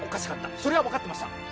それはわかってました。